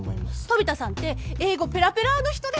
飛田さんって英語ペラペラの人でしょ。